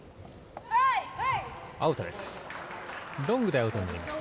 アウトです。